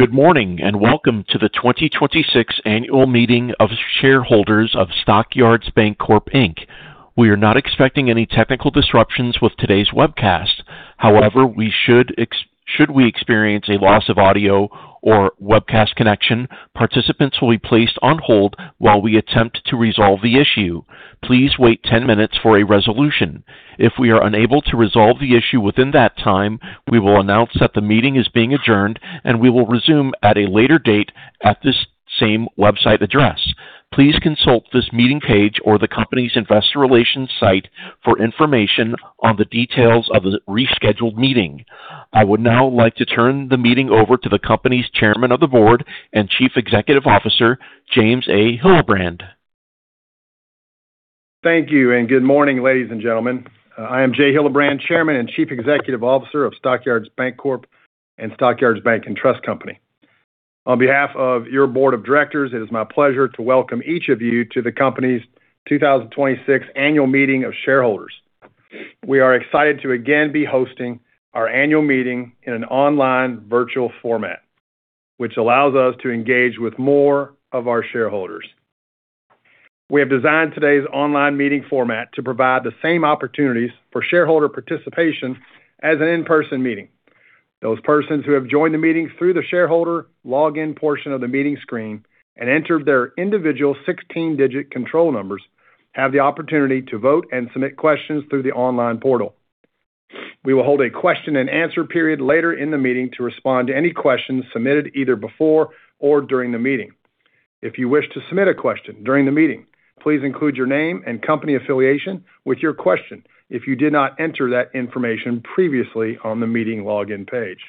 Good morning, and welcome to the 2026 Annual Meeting of Shareholders of Stock Yards Bancorp, Inc. We are not expecting any technical disruptions with today's webcast. However, should we experience a loss of audio or webcast connection, participants will be placed on hold while we attempt to resolve the issue. Please wait 10 minutes for a resolution. If we are unable to resolve the issue within that time, we will announce that the meeting is being adjourned, and we will resume at a later date at this same website address. Please consult this meeting page or the company's investor relations site for information on the details of the rescheduled meeting. I would now like to turn the meeting over to the company's Chairman of the Board and Chief Executive Officer, James A. Hillebrand. Thank you, and good morning, ladies and gentlemen. I am Jay Hillebrand, Chairman and Chief Executive Officer of Stock Yards Bancorp and Stock Yards Bank & Trust Company. On behalf of your board of directors, it is my pleasure to welcome each of you to the company's 2026 Annual Meeting of Shareholders. We are excited to again be hosting our annual meeting in an online virtual format, which allows us to engage with more of our shareholders. We have designed today's online meeting format to provide the same opportunities for shareholder participation as an in-person meeting. Those persons who have joined the meeting through the shareholder login portion of the meeting screen and entered their individual 16-digit control numbers have the opportunity to vote and submit questions through the online portal. We will hold a question and answer period later in the meeting to respond to any questions submitted either before or during the meeting. If you wish to submit a question during the meeting, please include your name and company affiliation with your question if you did not enter that information previously on the meeting login page.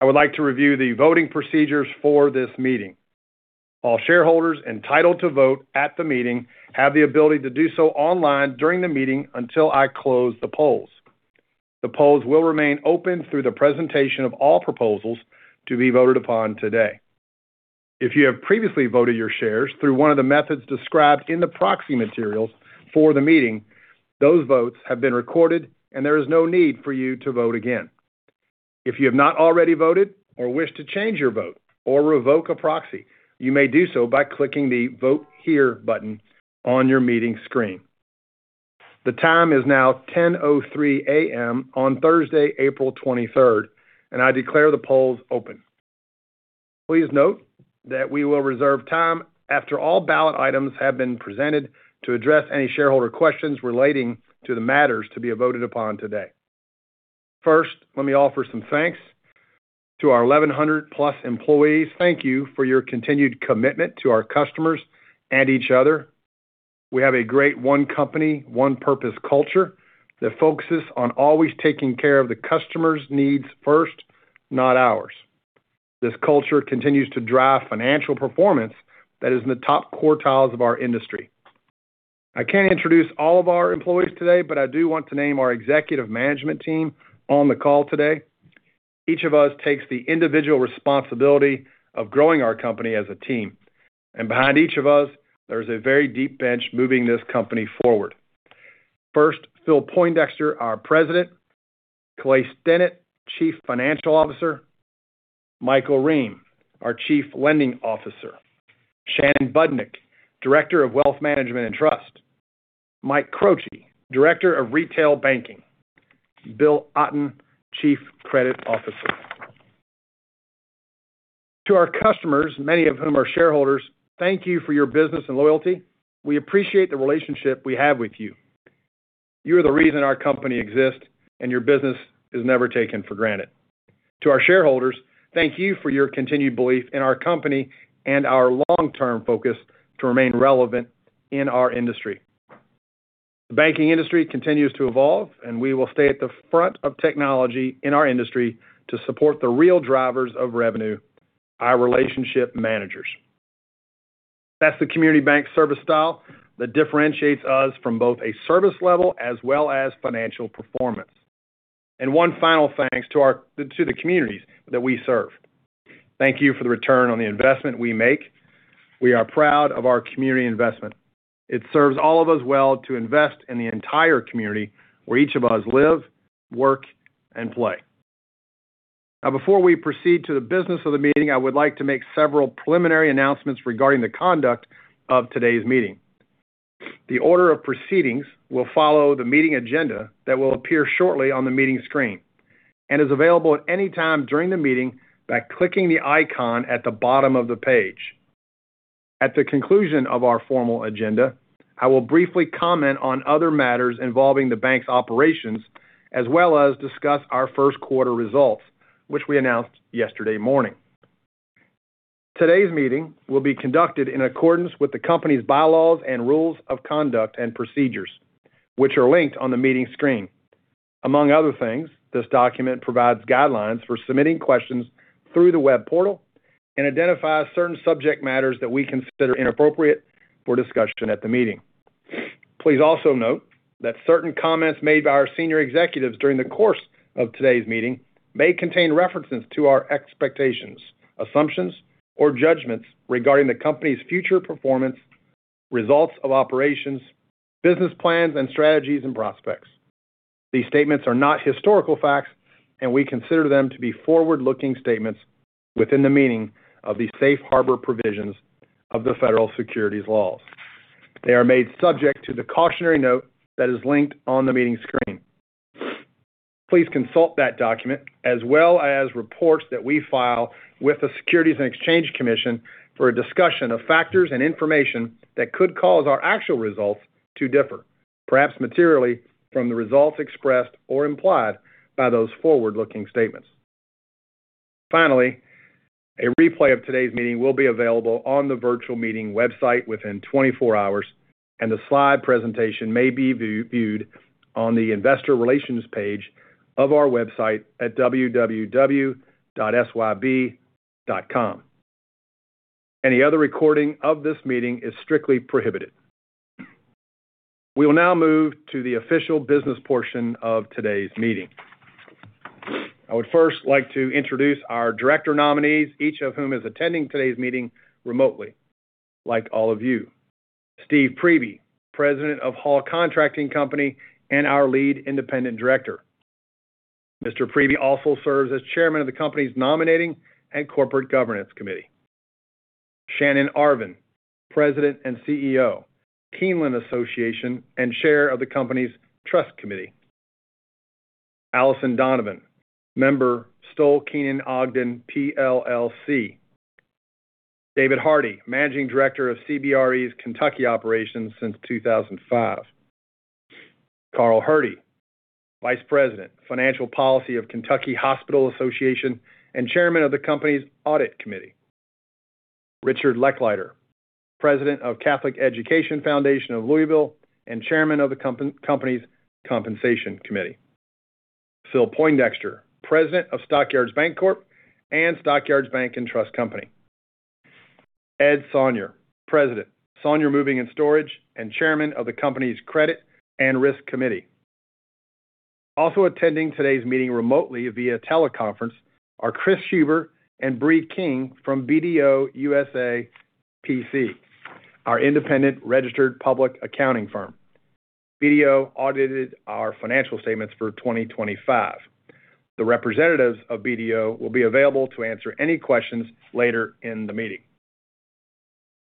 I would like to review the voting procedures for this meeting. All shareholders entitled to vote at the meeting have the ability to do so online during the meeting until I close the polls. The polls will remain open through the presentation of all proposals to be voted upon today. If you have previously voted your shares through one of the methods described in the proxy materials for the meeting, those votes have been recorded, and there is no need for you to vote again. If you have not already voted or wish to change your vote or revoke a proxy, you may do so by clicking the Vote Here button on your meeting screen. The time is now 10:03 A.M. on Thursday, April 23rd, and I declare the polls open. Please note that we will reserve time after all ballot items have been presented to address any shareholder questions relating to the matters to be voted upon today. First, let me offer some thanks to our 1,100-plus employees. Thank you for your continued commitment to our customers and each other. We have a great one-company, one-purpose culture that focuses on always taking care of the customers' needs first, not ours. This culture continues to drive financial performance that is in the top quartiles of our industry. I can't introduce all of our employees today, but I do want to name our executive management team on the call today. Each of us takes the individual responsibility of growing our company as a team, and behind each of us, there is a very deep bench moving this company forward. First, Phil Poindexter, our President, Clay Stinnett, Chief Financial Officer, Michael Rehm, our Chief Lending Officer, Shannon Budnick, Director of Wealth Management & Trust, Mike Croce, Director of Retail Banking, Bill Otten, Chief Credit Officer. To our customers, many of whom are shareholders, thank you for your business and loyalty. We appreciate the relationship we have with you. You are the reason our company exists, and your business is never taken for granted. To our shareholders, thank you for your continued belief in our company and our long-term focus to remain relevant in our industry. The banking industry continues to evolve, and we will stay at the front of technology in our industry to support the real drivers of revenue, our relationship managers. That's the community bank service style that differentiates us from both a service level as well as financial performance. One final thanks to the communities that we serve. Thank you for the return on the investment we make. We are proud of our community investment. It serves all of us well to invest in the entire community where each of us live, work, and play. Now, before we proceed to the business of the meeting, I would like to make several preliminary announcements regarding the conduct of today's meeting. The order of proceedings will follow the meeting agenda that will appear shortly on the meeting screen and is available at any time during the meeting by clicking the icon at the bottom of the page. At the conclusion of our formal agenda, I will briefly comment on other matters involving the bank's operations, as well as discuss our first quarter results, which we announced yesterday morning. Today's meeting will be conducted in accordance with the company's bylaws and rules of conduct and procedures, which are linked on the meeting screen. Among other things, this document provides guidelines for submitting questions through the web portal and identifies certain subject matters that we consider inappropriate for discussion at the meeting. Please also note that certain comments made by our senior executives during the course of today's meeting may contain references to our expectations, assumptions, or judgments regarding the company's future performance, results of operations, business plans, and strategies and prospects. These statements are not historical facts, and we consider them to be forward-looking statements within the meaning of the safe harbor provisions of the federal securities laws. They are made subject to the cautionary note that is linked on the meeting screen. Please consult that document as well as reports that we file with the Securities and Exchange Commission for a discussion of factors and information that could cause our actual results to differ, perhaps materially, from the results expressed or implied by those forward-looking statements. Finally, a replay of today's meeting will be available on the virtual meeting website within 24 hours, and the slide presentation may be viewed on the investor relations page of our website at www.syb.com. Any other recording of this meeting is strictly prohibited. We will now move to the official business portion of today's meeting. I would first like to introduce our director nominees, each of whom is attending today's meeting remotely, like all of you. Steve Priebe, President of Hall Contracting of Kentucky and our Lead Independent Director. Mr. Priebe also serves as Chairman of the company's Nominating and Corporate Governance Committee. Shannon Arvin, President and CEO, Keeneland Association and Chair of the company's Trust Committee. Allison Donovan, Member, Stoll Keenon Ogden PLLC. David Hardy, Managing Director of CBRE's Kentucky operations since 2005. Carl Herde, Vice President, Financial Policy of Kentucky Hospital Association and Chairman of the company's Audit Committee. Richard Lechleiter, President of Catholic Education Foundation of Louisville and Chairman of the company's Compensation Committee. Phil Poindexter, President of Stock Yards Bancorp and Stock Yards Bank & Trust Company. Ed Sonnier, President, Sonnier Moving & Storage, and Chairman of the company's Credit & Risk Committee. Also attending today's meeting remotely via teleconference are Chris Huber and Bree King from BDO USA, P.C., our independent registered public accounting firm. BDO audited our financial statements for 2025. The representatives of BDO will be available to answer any questions later in the meeting.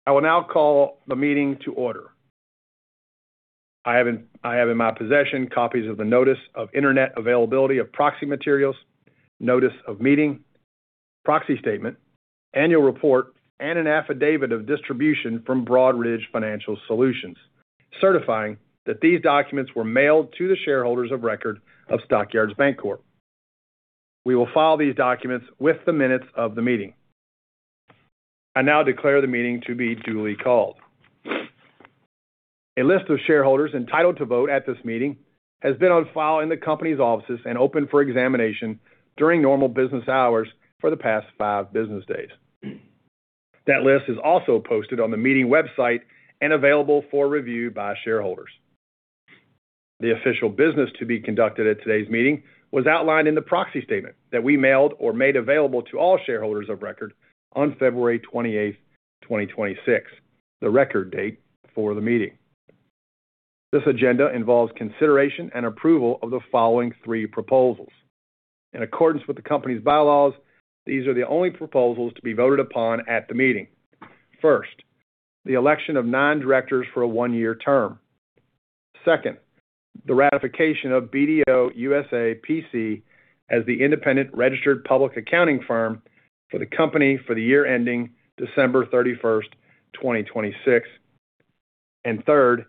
I will now call the meeting to order. I have in my possession copies of the notice of Internet availability of proxy materials, notice of meeting, proxy statement, annual report, and an affidavit of distribution from Broadridge Financial Solutions, certifying that these documents were mailed to the shareholders of record of Stock Yards Bancorp. We will file these documents with the minutes of the meeting. I now declare the meeting to be duly called. A list of shareholders entitled to vote at this meeting has been on file in the company's offices and open for examination during normal business hours for the past five business days. That list is also posted on the meeting website and available for review by shareholders. The official business to be conducted at today's meeting was outlined in the proxy statement that we mailed or made available to all shareholders of record on February 28th, 2026, the record date for the meeting. This agenda involves consideration and approval of the following three proposals. In accordance with the company's bylaws, these are the only proposals to be voted upon at the meeting. First, the election of nine directors for a one-year term. Second, the ratification of BDO USA, P.C. as the independent registered public accounting firm for the company for the year ending December 31st, 2026. Third,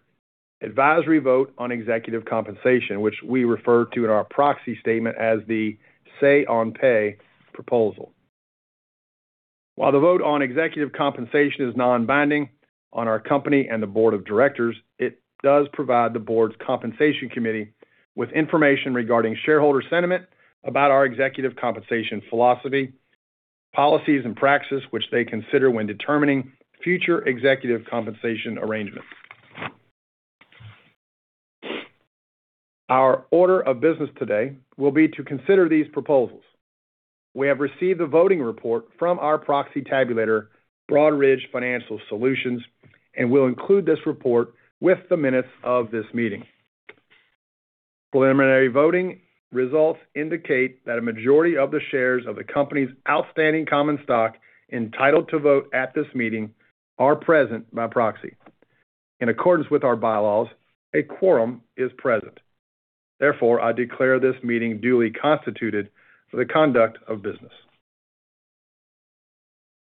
advisory vote on executive compensation, which we refer to in our proxy statement as the say on pay proposal. While the vote on executive compensation is non-binding on our company and the board of directors, it does provide the board's Compensation Committee with information regarding shareholder sentiment about our executive compensation philosophy, policies, and practices, which they consider when determining future executive compensation arrangements. Our order of business today will be to consider these proposals. We have received the voting report from our proxy tabulator, Broadridge Financial Solutions, and will include this report with the minutes of this meeting. Preliminary voting results indicate that a majority of the shares of the company's outstanding common stock entitled to vote at this meeting are present by proxy. In accordance with our bylaws, a quorum is present. Therefore, I declare this meeting duly constituted for the conduct of business.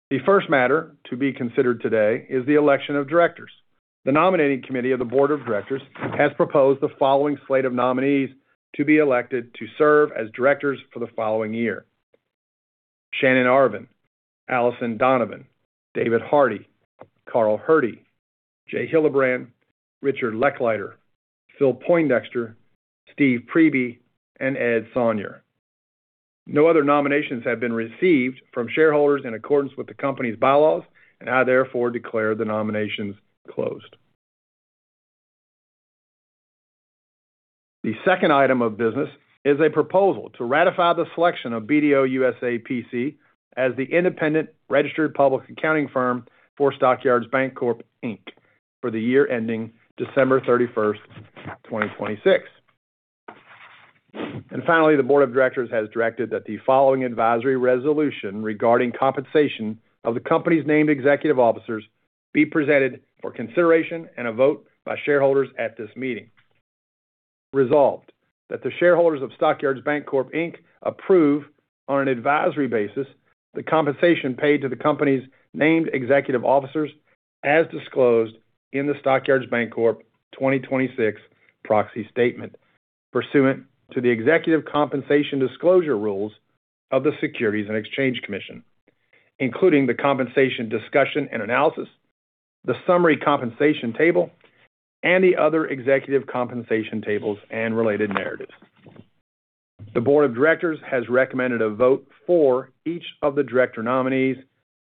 The first matter to be considered today is the election of directors. The Nominating Committee of the board of directors has proposed the following slate of nominees to be elected to serve as directors for the following year. Shannon Arvin, Allison Donovan, David Hardy, Carl Herde, Jay Hillebrand, Richard Lechleiter, Phil Poindexter, Steve Priebe, and Ed Sonnier. No other nominations have been received from shareholders in accordance with the company's bylaws, and I therefore declare the nominations closed. The second item of business is a proposal to ratify the selection of BDO USA, P.C. as the independent registered public accounting firm for Stock Yards Bancorp, Inc. for the year ending December 31st, 2026. Finally, the board of directors has directed that the following advisory resolution regarding compensation of the company's named executive officers be presented for consideration and a vote by shareholders at this meeting. Resolved, that the shareholders of Stock Yards Bancorp, Inc. approve, on an advisory basis, the compensation paid to the company's named executive officers as disclosed in the Stock Yards Bancorp 2026 proxy statement, pursuant to the executive compensation disclosure rules of the Securities and Exchange Commission, including the compensation discussion and analysis, the summary compensation table, and the other executive compensation tables and related narratives. The board of directors has recommended a vote for each of the director nominees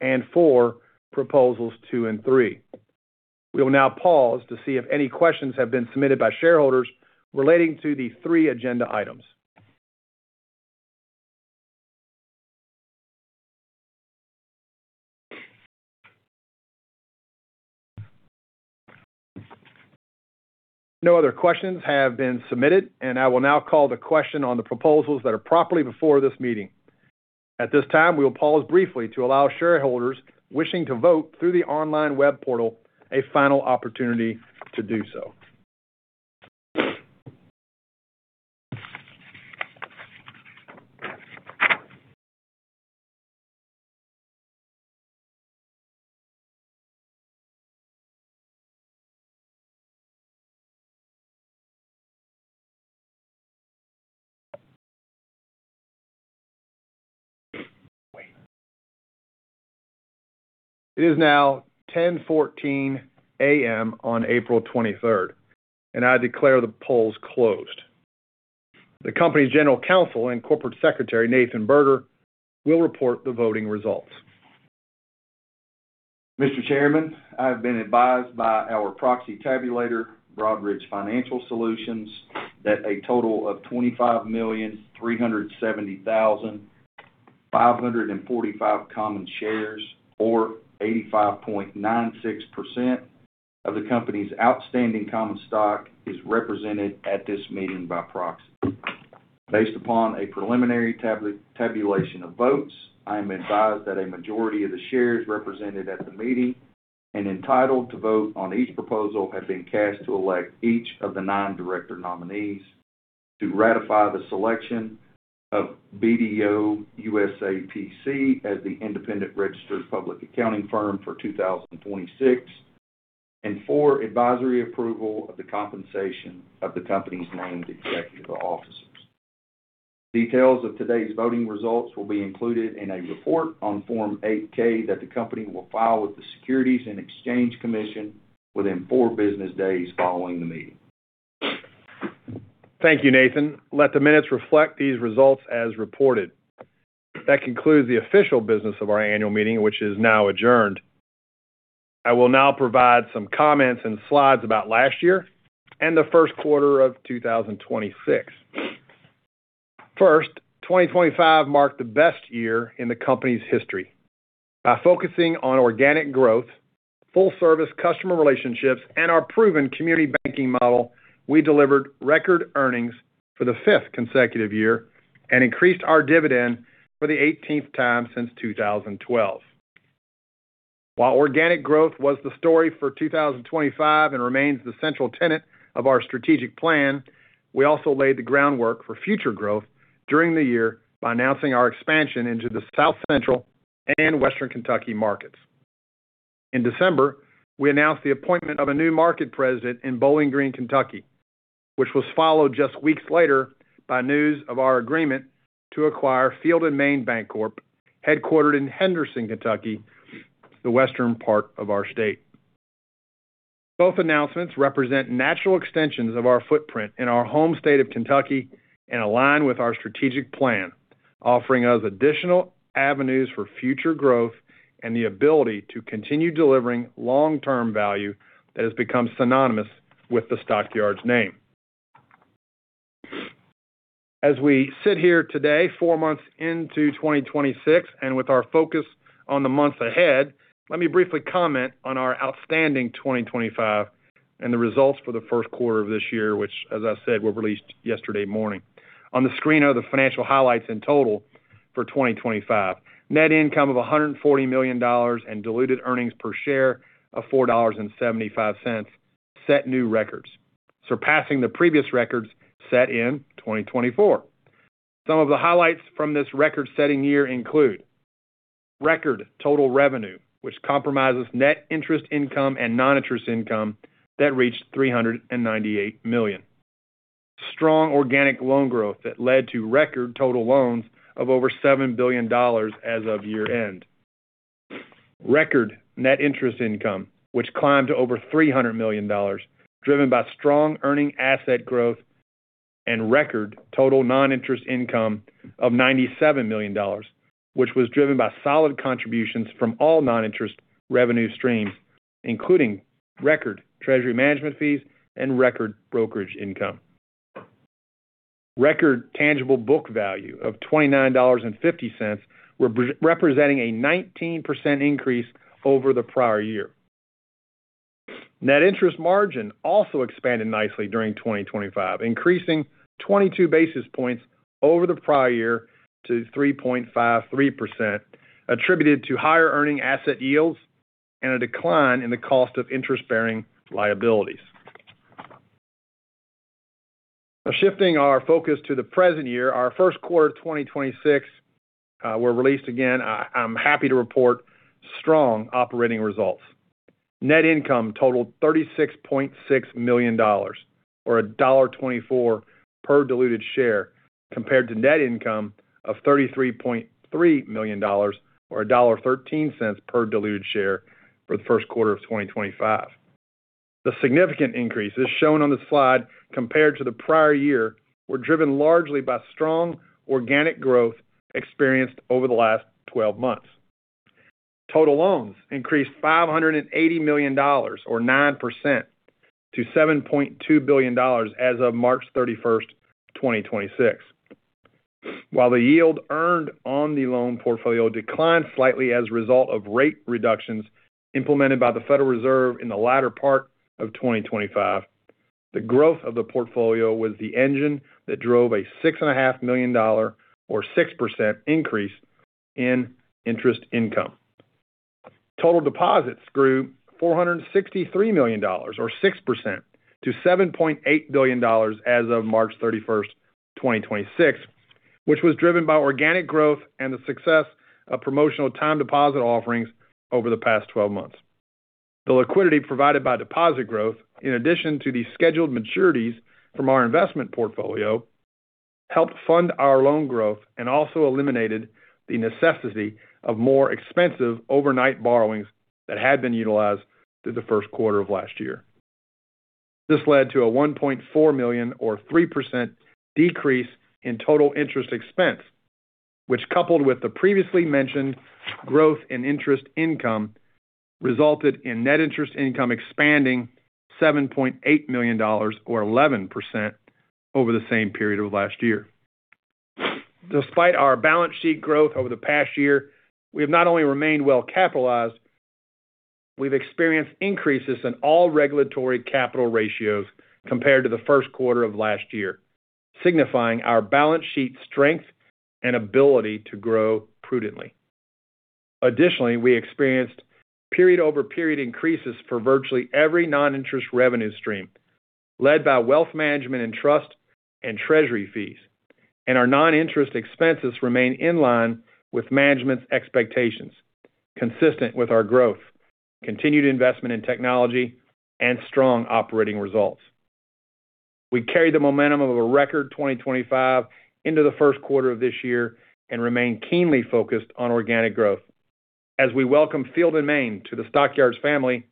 and for proposals two and three. We will now pause to see if any questions have been submitted by shareholders relating to the three agenda items. No other questions have been submitted, and I will now call the question on the proposals that are properly before this meeting. At this time, we will pause briefly to allow shareholders wishing to vote through the online web portal a final opportunity to do so. It is now 10:14 A.M. on April 23rd, and I declare the polls closed. The company's General Counsel and Corporate Secretary, Nathan Berger, will report the voting results. Mr. Chairman, I have been advised by our proxy tabulator, Broadridge Financial Solutions, that a total of 25,370,545 common shares, or 85.96% of the company's outstanding common stock is represented at this meeting by proxy. Based upon a preliminary tabulation of votes, I am advised that a majority of the shares represented at the meeting and entitled to vote on each proposal have been cast to elect each of the nine director nominees to ratify the selection of BDO USA, P.C. as the independent registered public accounting firm for 2026, and for advisory approval of the compensation of the company's named executive officers. Details of today's voting results will be included in a report on Form 8-K that the company will file with the Securities and Exchange Commission within four business days following the meeting. Thank you, Nathan. Let the minutes reflect these results as reported. That concludes the official business of our annual meeting, which is now adjourned. I will now provide some comments and slides about last year and the first quarter of 2026. First, 2025 marked the best year in the company's history. By focusing on organic growth, full service customer relationships, and our proven community banking model, we delivered record earnings for the fifth consecutive year and increased our dividend for the 18th time since 2012. While organic growth was the story for 2025 and remains the central tenet of our strategic plan, we also laid the groundwork for future growth during the year by announcing our expansion into the South Central and Western Kentucky markets. In December, we announced the appointment of a new market president in Bowling Green, Kentucky, which was followed just weeks later by news of our agreement to acquire Field & Main Bancorp, headquartered in Henderson, Kentucky, the western part of our state. Both announcements represent natural extensions of our footprint in our home state of Kentucky and align with our strategic plan, offering us additional avenues for future growth and the ability to continue delivering long-term value that has become synonymous with the Stock Yards name. As we sit here today, four months into 2026, and with our focus on the months ahead, let me briefly comment on our outstanding 2025 and the results for the first quarter of this year, which as I said, were released yesterday morning. On the screen are the financial highlights in total for 2025. Net income of $140 million and diluted earnings per share of $4.75 set new records, surpassing the previous records set in 2024. Some of the highlights from this record-setting year include record total revenue, which comprises net interest income and non-interest income that reached $398 million. Strong organic loan growth that led to record total loans of over $7 billion as of year-end. Record net interest income, which climbed to over $300 million, driven by strong earning asset growth and record total non-interest income of $97 million, which was driven by solid contributions from all non-interest revenue streams, including record treasury management fees and record brokerage income. Record tangible book value of $29.50, representing a 19% increase over the prior year. Net interest margin also expanded nicely during 2025, increasing 22 basis points over the prior year to 3.53%, attributed to higher earning asset yields and a decline in the cost of interest-bearing liabilities. Now shifting our focus to the present year, our first quarter 2026 results were released again. I'm happy to report strong operating results. Net income totaled $36.6 million, or $1.24 per diluted share, compared to net income of $33.3 million, or $1.13 per diluted share for the first quarter of 2025. The significant increases shown on this slide compared to the prior year were driven largely by strong organic growth experienced over the last 12 months. Total loans increased $580 million or 9% to $7.2 billion as of March 31st, 2026. While the yield earned on the loan portfolio declined slightly as a result of rate reductions implemented by the Federal Reserve in the latter part of 2025, the growth of the portfolio was the engine that drove a $6.5 million or 6% increase in interest income. Total deposits grew $463 million or 6% to $7.8 billion as of March 31st, 2026, which was driven by organic growth and the success of promotional time deposit offerings over the past 12 months. The liquidity provided by deposit growth, in addition to the scheduled maturities from our investment portfolio, helped fund our loan growth and also eliminated the necessity of more expensive overnight borrowings that had been utilized through the first quarter of last year. This led to a $1.4 million or 3% decrease in total interest expense, which, coupled with the previously mentioned growth in interest income, resulted in net interest income expanding $7.8 million or 11% over the same period of last year. Despite our balance sheet growth over the past year, we have not only remained well-capitalized, we've experienced increases in all regulatory capital ratios compared to the first quarter of last year, signifying our balance sheet strength and ability to grow prudently. Additionally, we experienced period-over-period increases for virtually every non-interest revenue stream, led by wealth management and trust and treasury fees, and our non-interest expenses remain in line with management's expectations, consistent with our growth, continued investment in technology, and strong operating results. We carry the momentum of a record 2025 into the first quarter of this year and remain keenly focused on organic growth. As we welcome Field & Main to the Stock Yards family,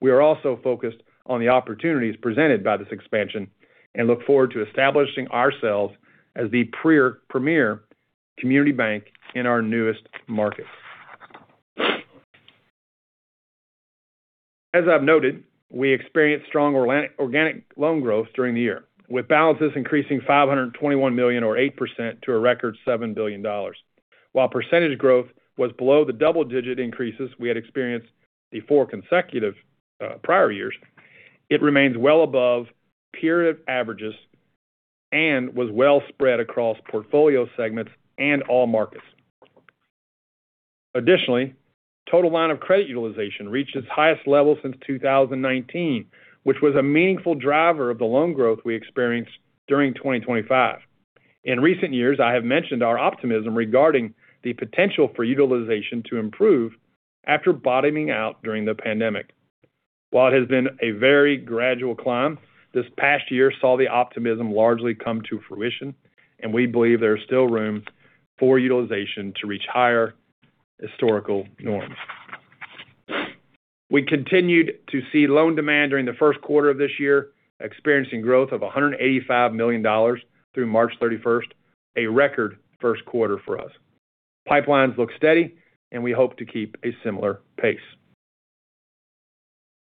we are also focused on the opportunities presented by this expansion and look forward to establishing ourselves as the premier community bank in our newest market. As I've noted, we experienced strong organic loan growth during the year, with balances increasing $521 million or 8% to a record $7 billion. While percentage growth was below the double-digit increases we had experienced the four consecutive prior years, it remains well above period averages and was well spread across portfolio segments and all markets. Additionally, total line of credit utilization reached its highest level since 2019, which was a meaningful driver of the loan growth we experienced during 2025. In recent years, I have mentioned our optimism regarding the potential for utilization to improve after bottoming out during the pandemic. While it has been a very gradual climb, this past year saw the optimism largely come to fruition, and we believe there is still room for utilization to reach higher historical norms. We continued to see loan demand during the first quarter of this year, experiencing growth of $185 million through March 31st, a record first quarter for us. Pipelines look steady, and we hope to keep a similar pace.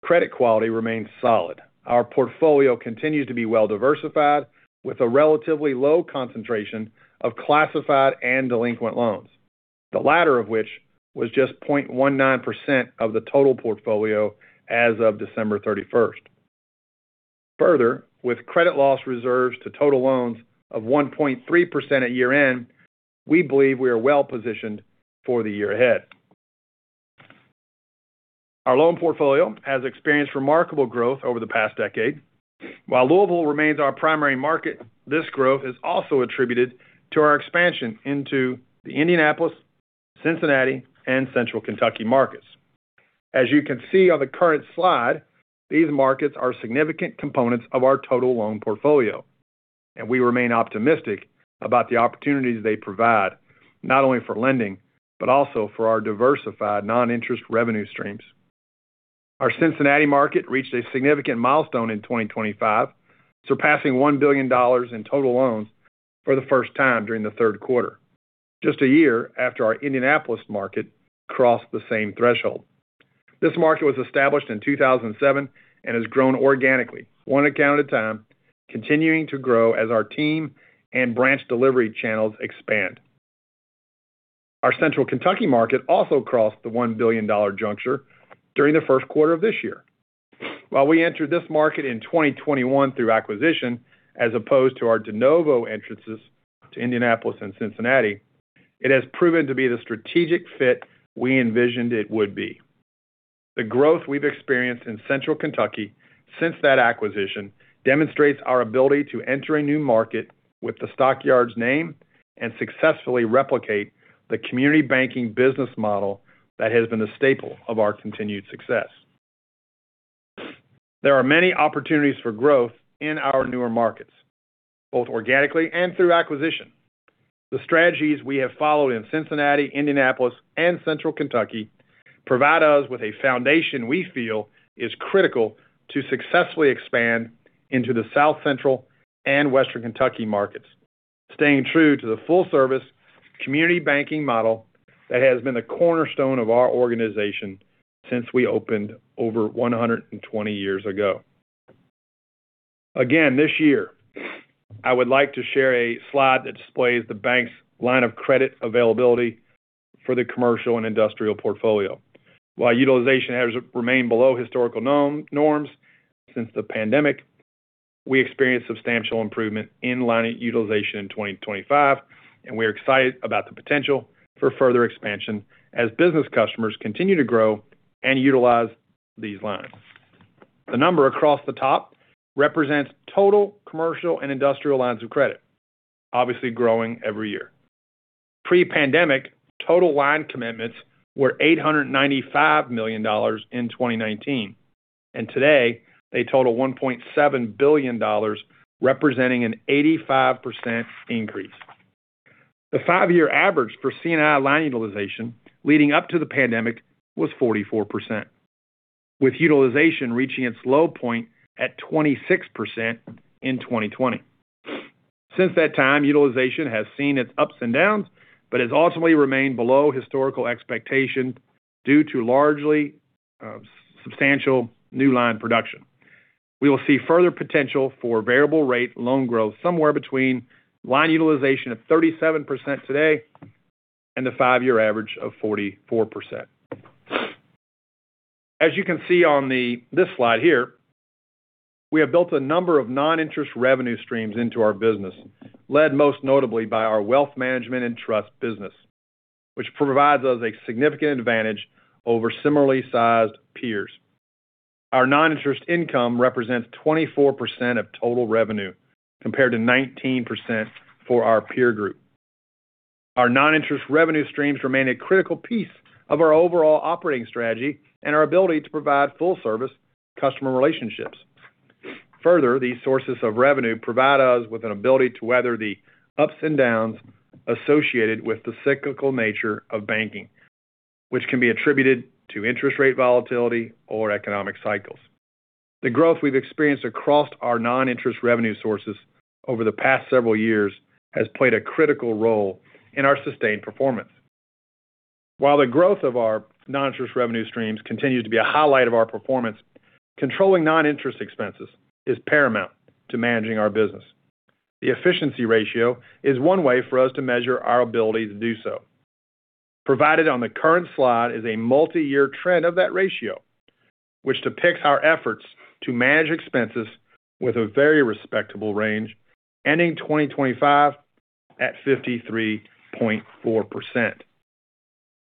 Credit quality remains solid. Our portfolio continues to be well-diversified with a relatively low concentration of classified and delinquent loans. The latter of which was just 0.19% of the total portfolio as of December 31st. Further, with credit loss reserves to total loans of 1.3% at year-end, we believe we are well-positioned for the year ahead. Our loan portfolio has experienced remarkable growth over the past decade. While Louisville remains our primary market, this growth is also attributed to our expansion into the Indianapolis, Cincinnati, and Central Kentucky markets. As you can see on the current slide, these markets are significant components of our total loan portfolio, and we remain optimistic about the opportunities they provide, not only for lending, but also for our diversified non-interest revenue streams. Our Cincinnati market reached a significant milestone in 2025, surpassing $1 billion in total loans for the first time during the third quarter, just a year after our Indianapolis market crossed the same threshold. This market was established in 2007 and has grown organically, one account at a time, continuing to grow as our team and branch delivery channels expand. Our Central Kentucky market also crossed the $1 billion juncture during the first quarter of this year. While we entered this market in 2021 through acquisition, as opposed to our de novo entrances to Indianapolis and Cincinnati, it has proven to be the strategic fit we envisioned it would be. The growth we've experienced in Central Kentucky since that acquisition demonstrates our ability to enter a new market with the Stock Yards name and successfully replicate the community banking business model that has been a staple of our continued success. There are many opportunities for growth in our newer markets, both organically and through acquisition. The strategies we have followed in Cincinnati, Indianapolis, and Central Kentucky provide us with a foundation we feel is critical to successfully expand into the South Central and Western Kentucky markets, staying true to the full service community banking model that has been the cornerstone of our organization since we opened over 120 years ago. Again, this year, I would like to share a slide that displays the bank's line of credit availability for the commercial and industrial portfolio. While utilization has remained below historical norms since the pandemic, we experienced substantial improvement in line utilization in 2025, and we are excited about the potential for further expansion as business customers continue to grow and utilize these lines. The number across the top represents total commercial and industrial lines of credit, obviously growing every year. Pre-pandemic, total line commitments were $895 million in 2019, and today they total $1.7 billion, representing an 85% increase. The five-year average for C&I line utilization leading up to the pandemic was 44%, with utilization reaching its low point at 26% in 2020. Since that time, utilization has seen its ups and downs, but has ultimately remained below historical expectations due largely to substantial new line production. We will see further potential for variable rate loan growth somewhere between line utilization of 37% today and the 5-year average of 44%. As you can see on this slide here, we have built a number of non-interest revenue streams into our business, led most notably by our wealth management and trust business, which provides us a significant advantage over similarly sized peers. Our non-interest income represents 24% of total revenue, compared to 19% for our peer group. Our non-interest revenue streams remain a critical piece of our overall operating strategy and our ability to provide full service customer relationships. Further, these sources of revenue provide us with an ability to weather the ups and downs associated with the cyclical nature of banking, which can be attributed to interest rate volatility or economic cycles. The growth we've experienced across our non-interest revenue sources over the past several years has played a critical role in our sustained performance. While the growth of our non-interest revenue streams continues to be a highlight of our performance, controlling non-interest expenses is paramount to managing our business. The efficiency ratio is one way for us to measure our ability to do so. Provided on the current slide is a multi-year trend of that ratio, which depicts our efforts to manage expenses with a very respectable range, ending 2025 at 53.4%.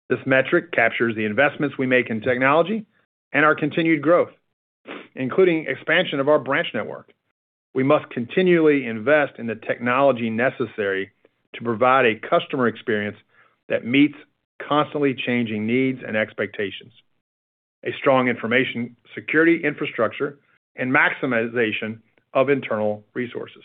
This metric captures the investments we make in technology and our continued growth, including expansion of our branch network. We must continually invest in the technology necessary to provide a customer experience that meets constantly changing needs and expectations, a strong information security infrastructure, and maximization of internal resources.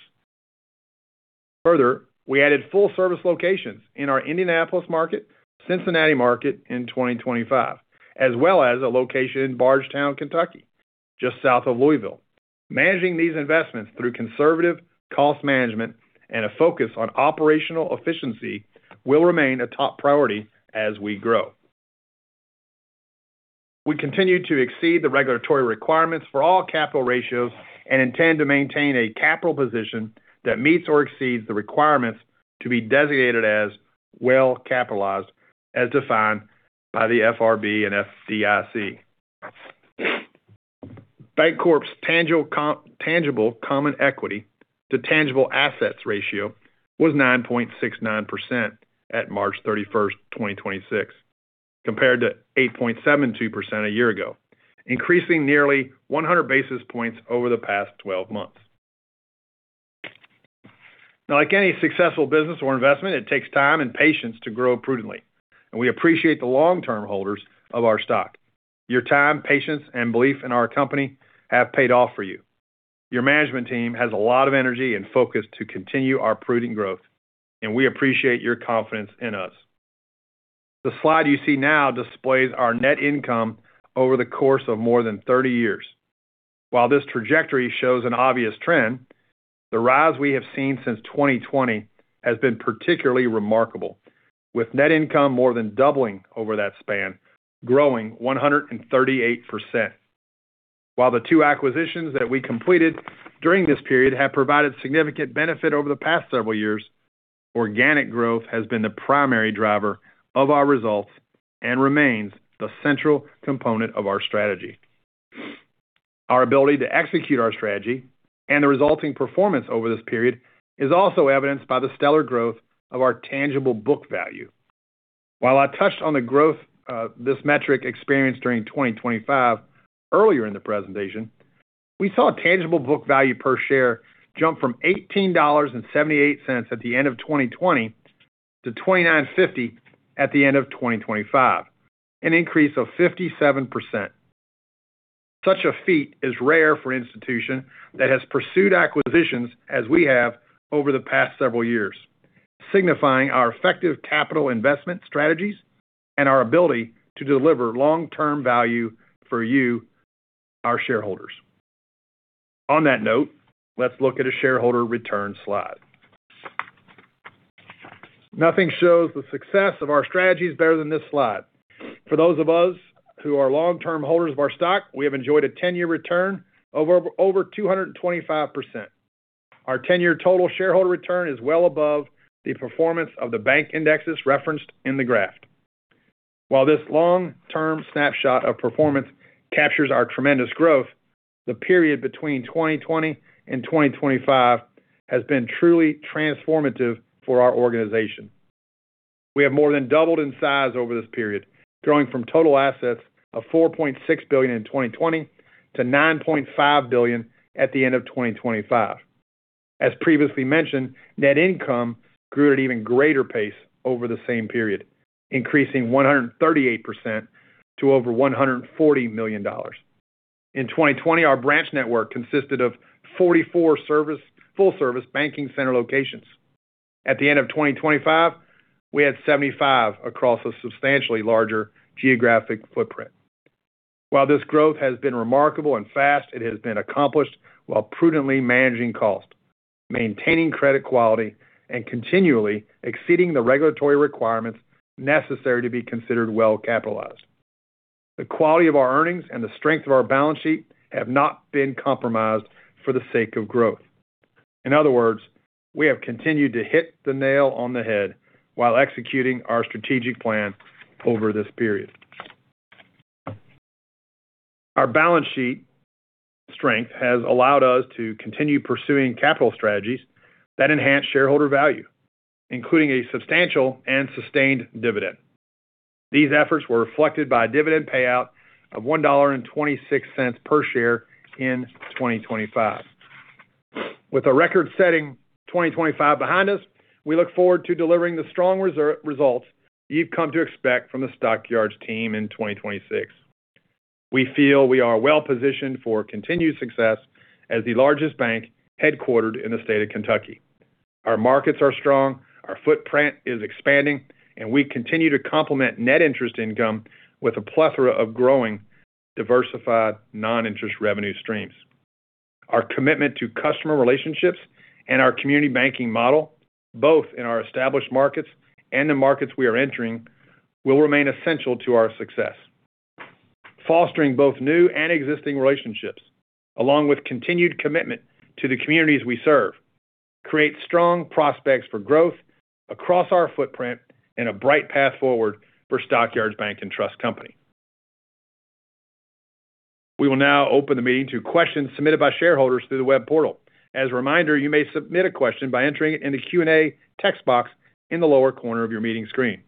Further, we added full service locations in our Indianapolis market, Cincinnati market in 2025, as well as a location in Bardstown, Kentucky, just south of Louisville. Managing these investments through conservative cost management and a focus on operational efficiency will remain a top priority as we grow. We continue to exceed the regulatory requirements for all capital ratios and intend to maintain a capital position that meets or exceeds the requirements to be designated as well-capitalized, as defined by the FRB and FDIC. Bancorp's tangible common equity to tangible assets ratio was 9.69% at March 31st, 2026, compared to 8.72% a year ago, increasing nearly 100 basis points over the past 12 months. Now, like any successful business or investment, it takes time and patience to grow prudently, and we appreciate the long-term holders of our stock. Your time, patience, and belief in our company have paid off for you. Your management team has a lot of energy and focus to continue our prudent growth, and we appreciate your confidence in us. The slide you see now displays our net income over the course of more than 30 years. While this trajectory shows an obvious trend, the rise we have seen since 2020 has been particularly remarkable, with net income more than doubling over that span, growing 138%. While the two acquisitions that we completed during this period have provided significant benefit over the past several years, organic growth has been the primary driver of our results and remains the central component of our strategy. Our ability to execute our strategy and the resulting performance over this period is also evidenced by the stellar growth of our tangible book value. While I touched on the growth this metric experienced during 2025 earlier in the presentation, we saw tangible book value per share jump from $18.78 at the end of 2020 to $29.50 at the end of 2025, an increase of 57%. Such a feat is rare for an institution that has pursued acquisitions as we have over the past several years, signifying our effective capital investment strategies and our ability to deliver long-term value for you, our shareholders. On that note, let's look at a shareholder return slide. Nothing shows the success of our strategies better than this slide. For those of us who are long-term holders of our stock, we have enjoyed a 10-year return of over 225%. Our 10-year total shareholder return is well above the performance of the bank indexes referenced in the graph. While this long-term snapshot of performance captures our tremendous growth, the period between 2020 and 2025 has been truly transformative for our organization. We have more than doubled in size over this period, growing from total assets of $4.6 billion in 2020 to $9.5 billion at the end of 2025. As previously mentioned, net income grew at an even greater pace over the same period, increasing 138% to over $140 million. In 2020, our branch network consisted of 44 full-service banking center locations. At the end of 2025, we had 75 across a substantially larger geographic footprint. While this growth has been remarkable and fast, it has been accomplished while prudently managing cost, maintaining credit quality, and continually exceeding the regulatory requirements necessary to be considered well-capitalized. The quality of our earnings and the strength of our balance sheet have not been compromised for the sake of growth. In other words, we have continued to hit the nail on the head while executing our strategic plan over this period. Our balance sheet strength has allowed us to continue pursuing capital strategies that enhance shareholder value, including a substantial and sustained dividend. These efforts were reflected by a dividend payout of $1.26 per share in 2025. With a record-setting 2025 behind us, we look forward to delivering the strong results you've come to expect from the Stock Yards team in 2026. We feel we are well-positioned for continued success as the largest bank headquartered in the state of Kentucky. Our markets are strong, our footprint is expanding, and we continue to complement net interest income with a plethora of growing, diversified non-interest revenue streams. Our commitment to customer relationships and our community banking model, both in our established markets and the markets we are entering, will remain essential to our success. Fostering both new and existing relationships, along with continued commitment to the communities we serve, create strong prospects for growth across our footprint and a bright path forward for Stock Yards Bank & Trust Company. We will now open the meeting to questions submitted by shareholders through the web portal. As a reminder, you may submit a question by entering it in the Q&A text box in the lower corner of your meeting screen.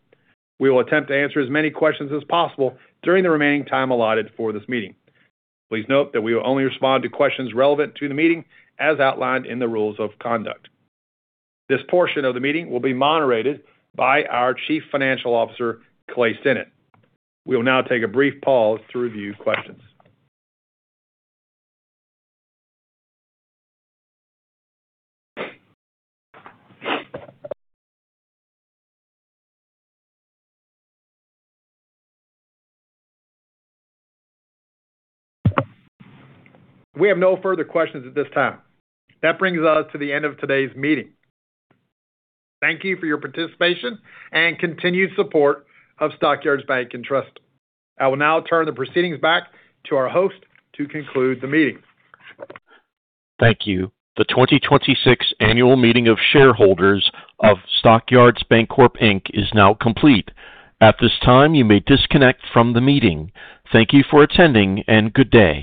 We will attempt to answer as many questions as possible during the remaining time allotted for this meeting. Please note that we will only respond to questions relevant to the meeting as outlined in the rules of conduct. This portion of the meeting will be moderated by our Chief Financial Officer, Clay Stinnett. We will now take a brief pause to review questions. We have no further questions at this time. That brings us to the end of today's meeting. Thank you for your participation and continued support of Stock Yards Bank & Trust. I will now turn the proceedings back to our host to conclude the meeting. Thank you. The 2026 annual meeting of shareholders of Stock Yards Bancorp, Inc. is now complete. At this time, you may disconnect from the meeting. Thank you for attending, and good day.